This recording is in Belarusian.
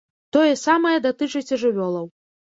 Тое самае датычыць і жывёлаў.